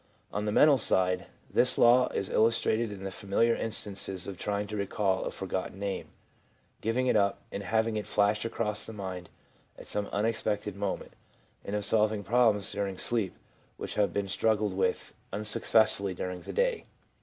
On the mental side, this law is illus trated in the familiar instances of trying to recall a for gotten name, giving it up, and having it flash across the mind at some unexpected moment, and of solving problems during sleep which have been struggled with unsuccessfully during the day.